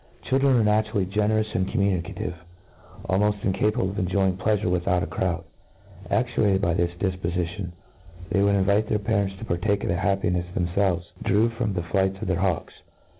Children arc naturally gcncroud and commu nicative — ^molt incapable of enjoying pleafure but of a crowd. A&uated by this difpofition, they would invite their parents to partake of the haj^inefs themfelves drew from the flights of their hawks.